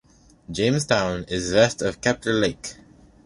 Jamestown is west of Kepler Lake.